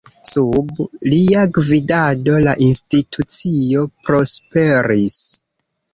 Sub lia gvidado la institucio prosperis.